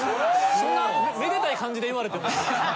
そんなめでたい感じで言われても。